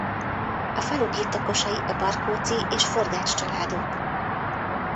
A falu birtokosai a Barkóczy és Forgách családok.